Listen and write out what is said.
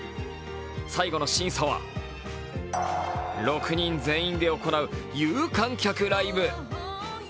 最後の審査は６人全員で行う有観客ライブ。